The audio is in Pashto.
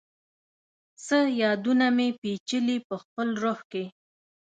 څه یادونه مي، پیچلي پخپل روح کي